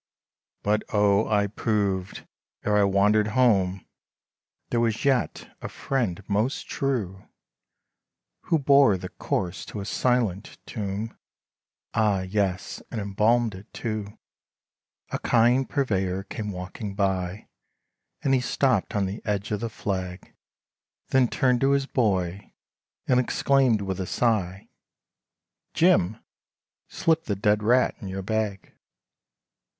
But O I proved, ere I wandered home, There yet was a friend most true, Who bore the corse to a silent tomb, Ah! yes, and embalmed it too, A kind purveyor came walking by, And he stopped on the edge of the flag, Then turned to his boy, and exclaimed with a sigh, "Jim, slip the dead rat in your bag."